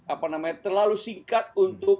apa namanya terlalu singkat untuk